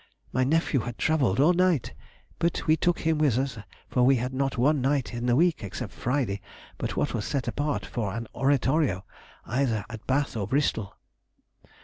My nephew had travelled all night, but we took him with us, for we had not one night in the week, except Friday, but what was set apart for an oratorio either at Bath or Bristol.